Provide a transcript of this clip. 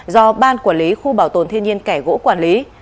do ban quản lý khu bảo tồn thiên nhiên kẻ gỗ quản lý